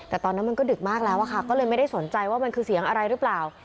แต่ตอนนั้นมันก็ดึกมากแล้วอะค่ะก็เลยไม่ได้สนใจว่ามันคือเสียงอะไรหรือเปล่า